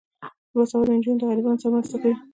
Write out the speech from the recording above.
باسواده نجونې د غریبانو سره مرسته کوي.